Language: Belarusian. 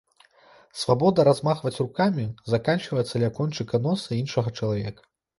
Свабода размахваць рукамі заканчваецца ля кончыка носа іншага чалавека.